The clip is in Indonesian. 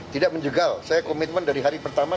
tidak menjegal saya komitmen dari hari pertama